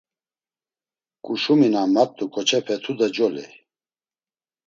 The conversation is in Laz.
K̆uşumi na mat̆u ǩoçepe tude coley.